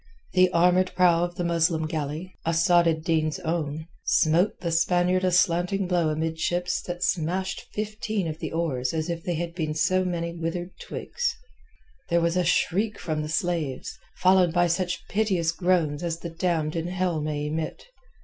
The armoured prow of the Muslim galley—Asad ed Din's own—smote the Spaniard a slanting blow amidships that smashed fifteen of the oars as if they had been so many withered twigs. There was a shriek from the slaves, followed by such piteous groans as the damned in hell may emit.